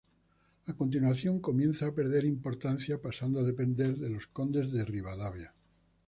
A continuación comienza a perder importancia pasando a depender de los Condes de Ribadavia.